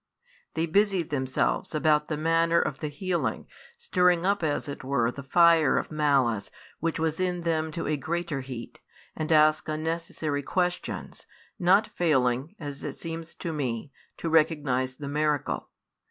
They busy themselves about the manner of the healing, stirring up as it were the fire of malice which was in them to a greater heat, and ask unnecessary questions, not failing, as it seems to me, to recognize the miracle.